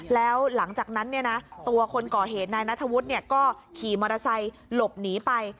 แล้วหลังจากนั้นตัวคนก่อเหตุนายนัทธวุฒิก็ขี่มอเตอร์ไซค์หลบหนีไป